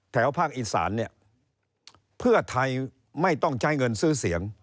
แถวภาคอีซานไฟธัยไม่ต้องใช้เงินซื้อเสียง